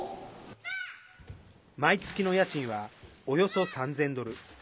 毎月の家賃はおよそ３０００ドル。